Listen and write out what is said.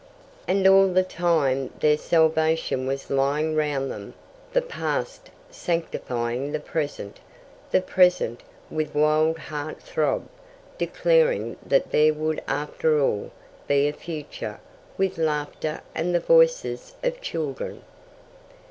And all the time their salvation was lying round them the past sanctifying the present; the present, with wild heart throb, declaring that there would after all be a future, with laughter and the voices of children.